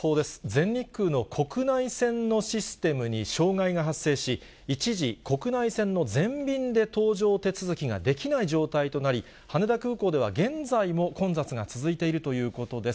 全日空の国内線のシステムに障害が発生し、一時、国内線の全便で搭乗手続きができない状態となり、羽田空港では現在も混雑が続いているということです。